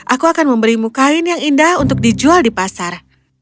aku akan memberimu kain yang indah untuk dijual di pasar